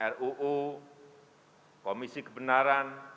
ruu komisi kebenaran